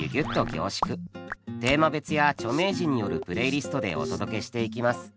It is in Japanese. テーマ別や著名人によるプレイリストでお届けしていきます。